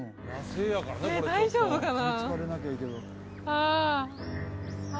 ねえ大丈夫かな？